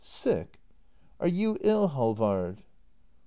] Sick? Are you ill, Halvard